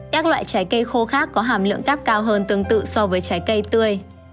các loại trái cây khô khác có hàm lượng cáp cao hơn tương tự so với trái cây tươi